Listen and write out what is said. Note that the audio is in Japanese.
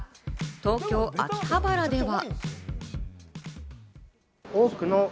東京・秋葉原では。